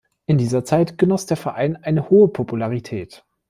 In dieser Zeit genoss der Verein eine hohe Popularität.